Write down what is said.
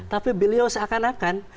tapi beliau seakan akan